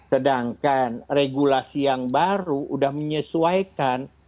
sedangkan regulasi yang baru sudah menyesuaikan